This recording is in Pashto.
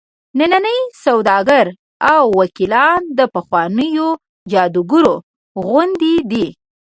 ننني سوداګر او وکیلان د پخوانیو جادوګرو غوندې دي.